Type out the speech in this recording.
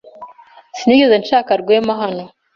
Sinigeze nshaka Rwema hano.